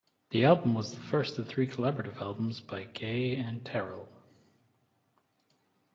The album was the first of three collaborative albums by Gaye and Terrell.